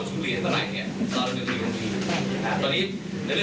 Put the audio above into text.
แต่ถ้าเราจะมาเล่นของเชิงศุรีหรืออะไรเนี่ย